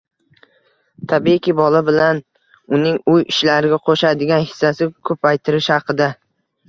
tabiiyki bola bilan uning uy ishlariga qo‘shadigan hissasi ko‘paytirish haqida